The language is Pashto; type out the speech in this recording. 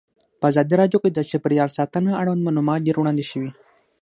په ازادي راډیو کې د چاپیریال ساتنه اړوند معلومات ډېر وړاندې شوي.